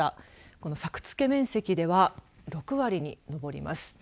この作付け面積では６割に上ります。